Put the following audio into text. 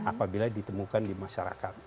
apabila ditemukan di masyarakat